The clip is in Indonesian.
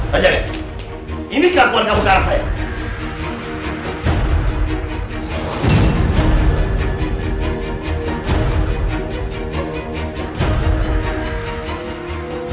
raja ini keakuan kamu terhadap saya